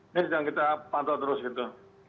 ini sedang kita pantau terus gitu